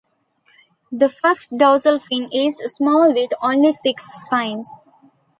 The first dorsal fin is small with only six spines.